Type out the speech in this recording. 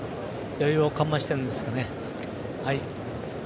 余裕をかましてるんですかね。